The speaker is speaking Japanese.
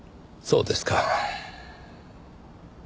そうですか。